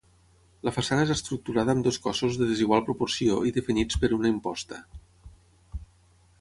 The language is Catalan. La façana és estructurada amb dos cossos de desigual proporció i definits per una imposta.